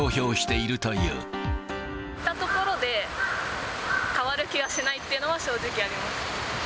行ったところで変わる気がしないっていうのは正直、あります。